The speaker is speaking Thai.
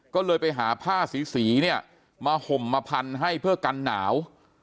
ก็เลยไปหาผ้าสีเนี่ยมาห่มมาพันให้เพื่อกันหนาว